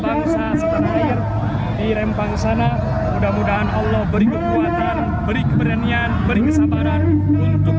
di rempang sana mudah mudahan allah beri kekuatan beri keperanian beri kesabaran untuk